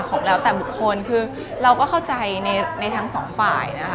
ของแล้วแต่บุคคลคือเราก็เข้าใจในทั้งสองฝ่ายนะคะ